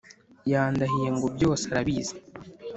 Yandahiye ngo byose arabizi